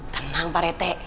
tenang pak rete